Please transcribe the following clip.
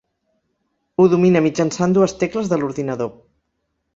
Ho domina mitjançant dues tecles de l'ordinador.